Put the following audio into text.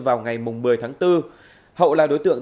vào ngày một mươi tháng bốn hậu là đối tượng